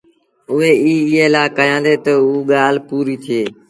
اُئي ايٚ ايٚئي لآ ڪهيآندي تا اوٚ ڳآل پوريٚ ٿئي